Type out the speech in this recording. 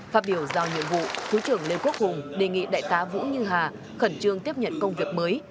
phát biểu giao nhiệm vụ thứ trưởng lê quốc hùng đề nghị đại tá vũ như hà khẩn trương tiếp nhận công việc mới